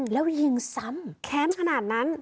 แล้วยิงซัมแคมป์ขนาดนั้น